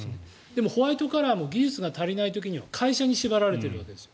でもホワイトカラーが技術が足りない時には会社に縛られているわけです。